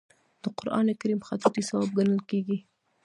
د قران کریم خطاطي ثواب ګڼل کیږي.